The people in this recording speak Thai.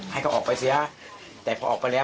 ให้เขาออกไปเสียแต่พอออกไปแล้ว